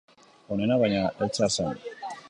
Onena, baina, heltzear zen.